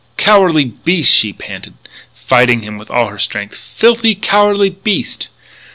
"Cowardly beast!" she panted, fighting him with all her strength "filthy, cowardly beast!